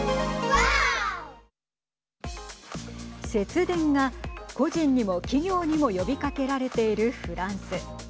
節電が個人にも企業にも呼びかけられているフランス。